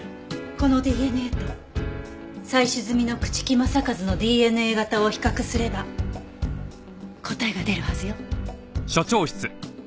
このＤＮＡと採取済みの朽木政一のＤＮＡ型を比較すれば答えが出るはずよ。